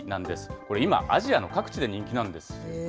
これ今、アジアの各地で人気なんですよね。